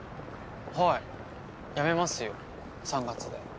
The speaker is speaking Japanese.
はい辞めますよ３月で。